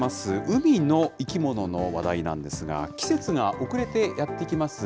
海の生き物の話題なんですが、季節が遅れてやって来ます